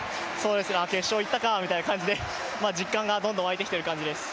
決勝行ったかーみたいな感じで、どんどん実感が湧いてきている感じです。